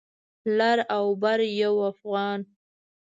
لر او بر یو افغان